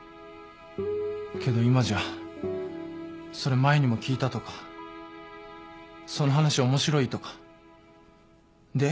けど今じゃ「それ前にも聞いた」とか「その話面白い？」とか「で？」